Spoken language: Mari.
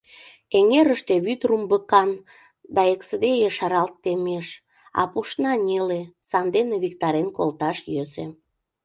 Эҥерыште вӱд румбыкан да эксыде ешаралт темеш, а пушна неле, сандене виктарен колташ йӧсӧ.